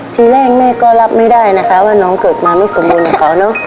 ทีแรกแม่ก็รับไม่ได้นะคะว่าน้องเกิดมาไม่สมบูรณ์กับเขาเนอะ